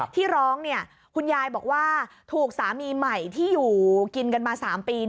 ที่ร้องคุณยายบอกว่าถูกสามีใหม่ที่อยู่กินกันมา๓ปี